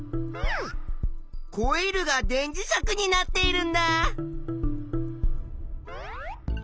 コイルが電磁石になっているんだ！